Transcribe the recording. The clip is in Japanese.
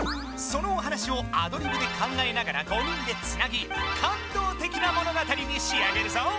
そのお話をアドリブで考えながら５人でつなぎ感動てきな物語にしあげるぞ！